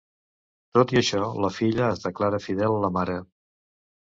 Tot i això la filla es declara fidel a la mare.